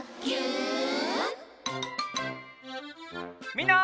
みんな。